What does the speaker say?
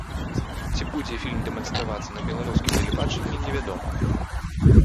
Ці будзе фільм дэманстравацца на беларускім тэлебачанні, невядома.